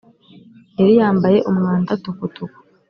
Yariyambaye umwanda tukutuku